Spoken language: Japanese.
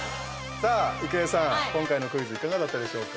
郁恵さん、今回のクイズいかがだったでしょうか？